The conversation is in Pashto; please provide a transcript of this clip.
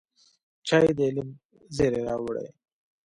چای د علم زېری راوړي